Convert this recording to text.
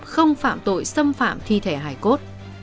không phạm tội xâm phạm thi thể hải cốt